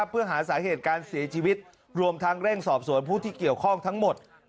เพื่อหาสาเหตุการเสียชีวิตรวมทั้งเร่งสอบสวนผู้ที่เกี่ยวข้องทั้งหมด